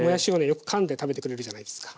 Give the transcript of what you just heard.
よくかんで食べてくれるじゃないですか。